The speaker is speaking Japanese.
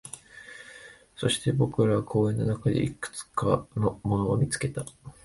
そして、僕らは公園の中でいくつかのものを見つけた